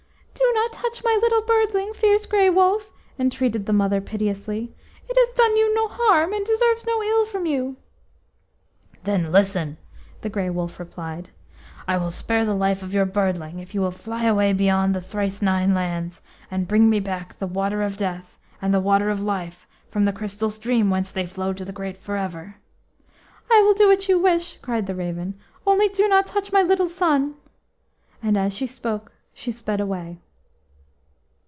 O not touch my little birdling, fierce Grey Wolf!" entreated the mother piteously. "It has done you no harm, and deserves no ill from you." "Then listen," the Grey Wolf replied. "I will spare the life of your birdling, if you will fly away beyond the thrice nine lands, and bring me back the Water of Death and the Water of Life from the crystal stream whence they flow to the great Forever." "I will do what you wish," cried the raven, "only do not touch my little son." And as she spoke she sped away.